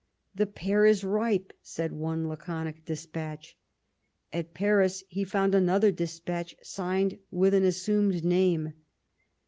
" The pear is ripe," said one laconic despatch. At Paris he found another despatch signed with an assumed name.